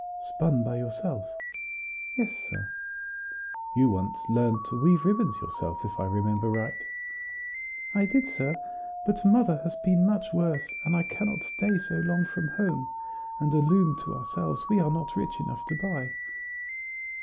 "Spun by yourself?" "Yes, sir." "You once learned to weave ribbons yourself, if I remember right?" "I did, sir; but mother has been much worse, and I cannot stay so long from home; and a loom to ourselves we are not rich enough to buy."